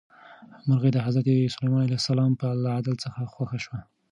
مرغۍ د حضرت سلیمان علیه السلام له عدل څخه خوښه شوه.